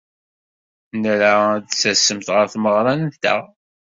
Nra ad d-tasemt ɣer tmeɣra-nteɣ.